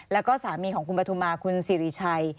แล้วก็สามีของคุณปฐุมาคุณสิริชัย